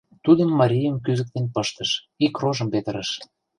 Тудым марием кӱзыктен пыштыш, ик рожым петырыш.